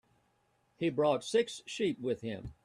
He brought six sheep with him.